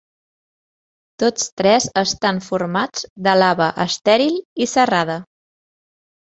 Tots tres estan formats de lava estèril i serrada.